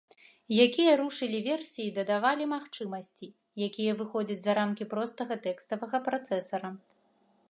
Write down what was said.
Якія рушылі версіі дадавалі магчымасці, якія выходзяць за рамкі простага тэкставага працэсара.